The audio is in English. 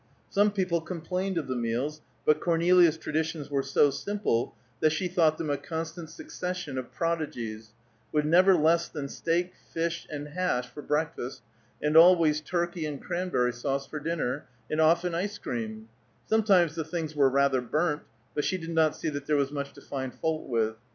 Some people complained of the meals, but Cornelia's traditions were so simple that she thought them a constant succession of prodigies, with never less than steak, fish and hash for breakfast, and always turkey and cranberry sauce for dinner, and often ice cream; sometimes the things were rather burnt, but she did not see that there was much to find fault with.